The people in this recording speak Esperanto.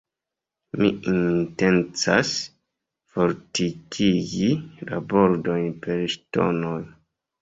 Mi intencas fortikigi la bordojn per ŝtonoj.